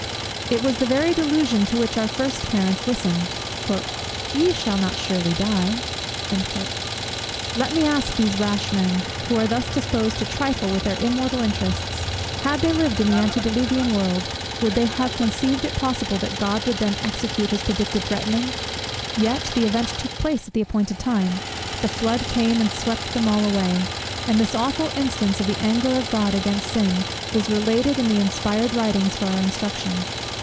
It was the very delusion to which our first parents listened; "Ye shall not surely die." Let me ask these rash men, who are thus disposed to trifle with their immortal interests, had they lived in the antediluvian world, would they have conceived it possible that God would then execute his predicted threatening? Yet the event took place at the appointed time; the flood came and swept them all away: and this awful instance of the anger of God against sin is related in the inspired writings for our instruction.